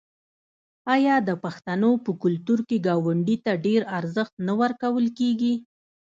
آیا د پښتنو په کلتور کې ګاونډي ته ډیر ارزښت نه ورکول کیږي؟